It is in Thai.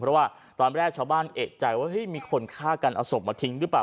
เพราะว่าตอนแรกชาวบ้านเอกใจว่ามีคนฆ่ากันเอาศพมาทิ้งหรือเปล่า